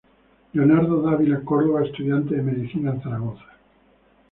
Leonardo Dávila Córdoba, estudiante de medicina en Zaragoza.